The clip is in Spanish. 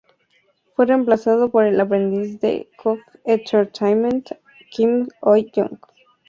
Fue reemplazado por el aprendiz de Cube Entertainment, Kim Hyo Jong.